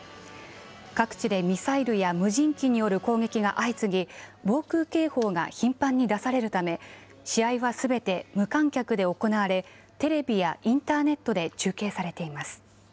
各地でミサイルや無人機による攻撃が相次ぎ、防空警報が頻繁に出されるため、試合はすべて無観客で行われ、テレビやインターネットで中継されています。